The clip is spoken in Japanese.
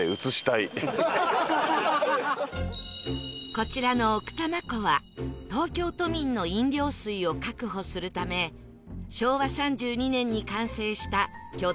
こちらの奥多摩湖は東京都民の飲料水を確保するため昭和３２年に完成した巨大なダム湖